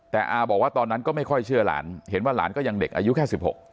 แต่อาบอกว่าตอนนั้นก็ไม่ค่อยเชื่อหลานเห็นว่าหลานก็ยังเด็กอายุแค่๑๖